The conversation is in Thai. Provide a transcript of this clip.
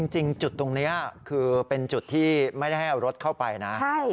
จริงจุดตรงนี้คือเป็นจุดที่ไม่ได้ให้เอารถเข้าไปนะ